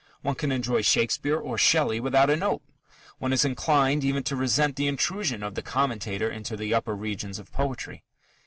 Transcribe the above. One can enjoy Shakespeare or Shelley without a note: one is inclined even to resent the intrusion of the commentator into the upper regions of poetry.